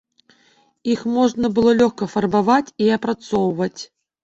Іх можна было лёгка фарбаваць і апрацоўваць.